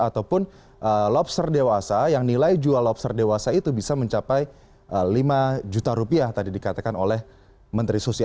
ataupun lobster dewasa yang nilai jual lobster dewasa itu bisa mencapai lima juta rupiah tadi dikatakan oleh menteri susi